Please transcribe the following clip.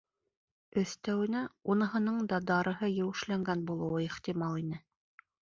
Өҫтәүенә, уныһының да дарыһы еүешләнгән булыуы ихтимал ине.